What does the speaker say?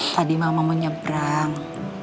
tadi mama menyebrang